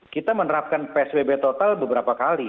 kita menerapkan psbb total beberapa kali